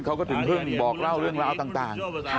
เขาก็ถึงเพิ่งบอกเล่าเรื่องราวต่าง